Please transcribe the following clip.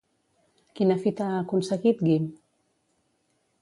Quina fita ha aconseguit Guim?